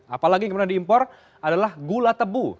apalagi kemudian diimpor adalah gula tebu